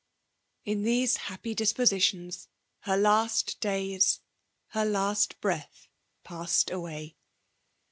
In these happy dispositions, her last days, her last breath, passed away.